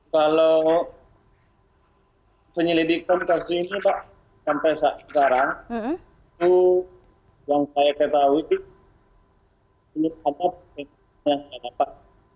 kalau penyelidikan kasus ini pak sampai sekarang itu yang saya ketahui ini ini ada pengiriman yang tidak dapat